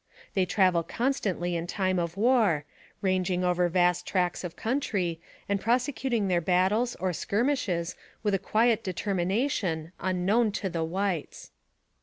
They travel constantly in time of war, ranging over vast tracts of country, and prosecuting their battles, or skirmishes, with a quiet determination un known to the whites.